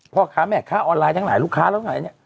พ่อค้าแม่ค้าออนไลน์ทั้งหลายลูกค้าแล้วไงเนี่ย